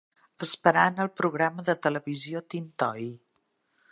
Esperant el programa de televisió Tin Toy